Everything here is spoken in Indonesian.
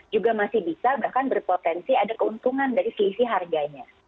juga masih bisa bahkan berpotensi ada keuntungan dari selisih harganya